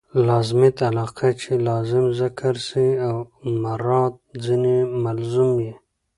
لازمیت علاقه؛ چي لازم ذکر سي او مراد ځني ملزوم يي.